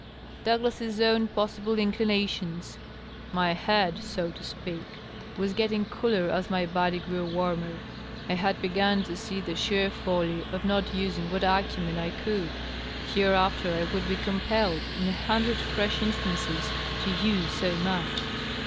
"Douglas's own possible inclinations." My head, so to speak, was getting cooler as my body grew warmer ; I had b^un to see the sheer folly of not usin^ what acumen I could. Hereafter I would be compelled, in a hundred fresh instances, to use so much